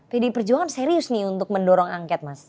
pdi perjuangan serius nih untuk mendorong angket mas